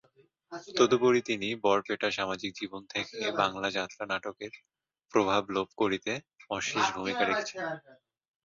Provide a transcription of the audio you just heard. তদুপরি তিনি বরপেটা সামাজিক জীবন থেকে বাংলা যাত্রা নাটকের প্রভাব লোপ করিতে অশেষ ভূমিকা রেখেছেন।